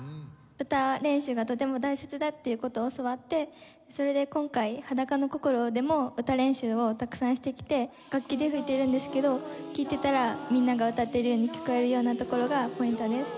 歌練習がとても大切だっていう事を教わってそれで今回『裸の心』でも歌練習をたくさんしてきて楽器で吹いてるんですけど聴いてたらみんなが歌っているように聞こえるようなところがポイントです。